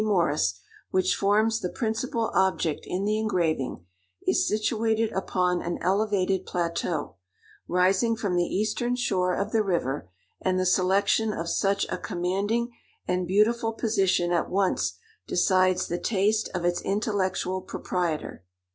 MORRIS, which forms the principal object in the engraving, is situated upon an elevated plateau, rising from the eastern shore of the river; and the selection of such a commanding and beautiful position at once decides the taste of its intellectual proprietor.